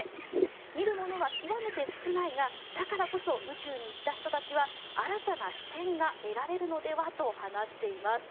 見るものは極めて少ないがだからこそ宇宙に行った人たちは新たな視点が得られるのではと話しています。